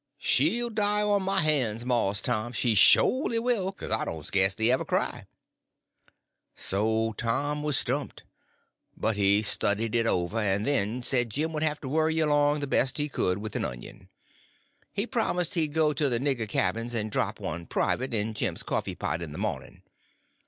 "She'll die on my han's, Mars Tom, she sholy will; kase I doan' skasely ever cry." So Tom was stumped. But he studied it over, and then said Jim would have to worry along the best he could with an onion. He promised he would go to the nigger cabins and drop one, private, in Jim's coffee pot, in the morning.